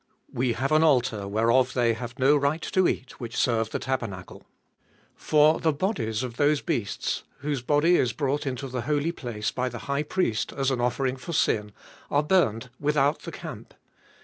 10. We have an altar, whereof they have no right to eat, which serve the tabernacle. 11. For the bodies of those beasts, whose body is brought into the holy place by the high priest as an offering for sin, are burned without the camp.